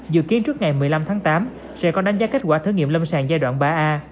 dự kiến trước ngày một mươi năm tháng tám sẽ có đánh giá kết quả thử nghiệm lâm sàng giai đoạn ba a